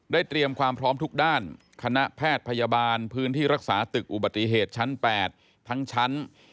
เตรียมความพร้อมทุกด้านคณะแพทย์พยาบาลพื้นที่รักษาตึกอุบัติเหตุชั้น๘ทั้งชั้น